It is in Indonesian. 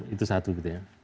itu satu gitu ya